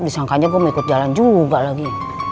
disangkanya gua mau ikut jalan juga lagi